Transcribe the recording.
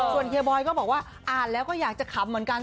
ส่วนเฮียบอยก็บอกว่าอ่านแล้วก็อยากจะขำเหมือนกัน